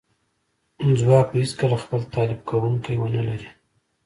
ځواک به هیڅکله خپل تالیف کونکی ونه لري